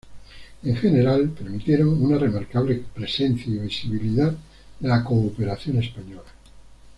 En general permitieron una remarcable presencia y visibilidad de la Cooperación Española.